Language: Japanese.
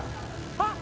あっ！